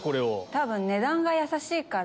多分値段がやさしいから。